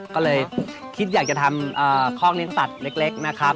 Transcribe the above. ก็เลยคิดอยากจะทำคอกเลี้ยงสัตว์เล็กนะครับ